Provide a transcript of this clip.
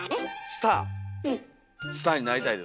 スターになりたいです私。